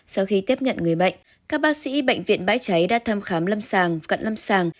sau khi tiếp nhận người bệnh các bác sĩ bệnh viện bãi cháy đã thăm khám lâm sàng cận lâm sàng